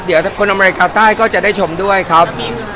เดี๋ยวคนอเมริกาใต้ก็จะได้ชมด้วยครับ